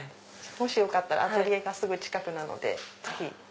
もしよかったらアトリエがすぐ近くなのでぜひ。